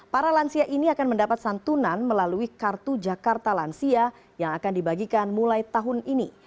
para lansia ini akan mendapat santunan melalui kartu jakarta lansia yang akan dibagikan mulai tahun ini